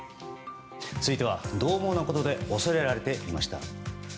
続いて、どう猛なことで恐れられていました。